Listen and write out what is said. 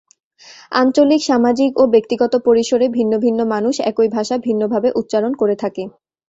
আঞ্চলিক, সামাজিক ও ব্যক্তিগত পরিসরে ভিন্ন ভিন্ন মানুষ একই ভাষা ভিন্নভাবে উচ্চারণ করে থাকে।